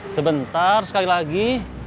sebentar sekali lagi